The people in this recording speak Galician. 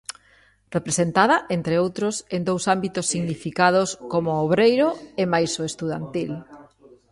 Representada, entre outros, en dous ámbitos significados como o obreiro e mais o estudantil.